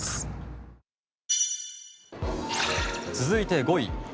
続いて５位。